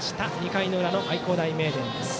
２回裏の愛工大名電。